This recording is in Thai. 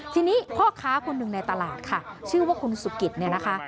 ทีนี้พ่อค้าคนหนึ่งในตลาดค่ะชื่อว่าคุณสุกิตเนี่ยนะคะ